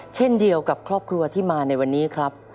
เช่นเดียวกับครอบครัวที่มาในวันนี้ครับ